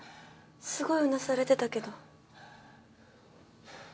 すごいうなされてたけど。